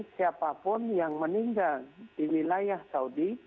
siapapun yang meninggal di wilayah saudi